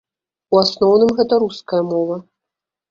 У асноўным гэта руская мова.